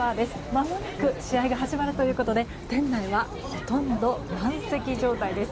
まもなく試合が始まるということで店内はほとんど満席状態です。